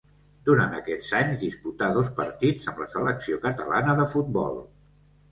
Durant aquests anys disputà dos partits amb la selecció catalana de futbol.